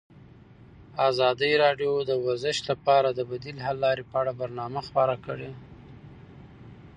ازادي راډیو د ورزش لپاره د بدیل حل لارې په اړه برنامه خپاره کړې.